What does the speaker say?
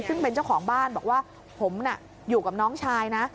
ซึ่งเป็นเจ้าของบ้านบอกว่าผมน่ะอยู่กับน้องชายนะ